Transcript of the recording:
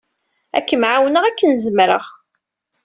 Ad kem-ɛawneɣ akken zemreɣ.